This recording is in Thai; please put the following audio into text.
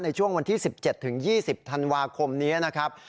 ในช่วงวันที่๑๗๒๐ธันวาคมนี้นะครับ